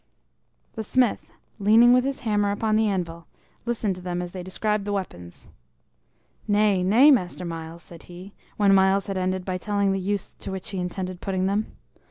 The smith, leaning with his hammer upon the anvil, listened to them as they described the weapons. "Nay, nay, Master Myles," said he, when Myles had ended by telling the use to which he intended putting them.